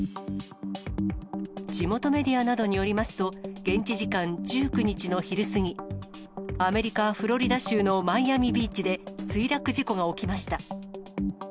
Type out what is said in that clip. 地元メディアなどによりますと、現地時間１９日の昼過ぎ、アメリカ・フロリダ州のマイアミビーチで、墜落事故が起きました。